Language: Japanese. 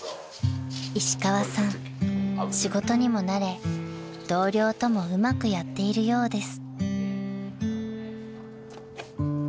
仕事にも慣れ同僚ともうまくやっているようです］